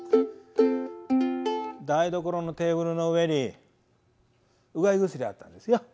台所のテーブルの上にうがい薬あったんですよ。